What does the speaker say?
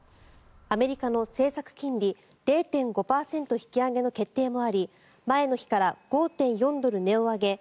アメリカの政策金利０．５％引き上げの決定もあり前の日から５．４ドル値を上げ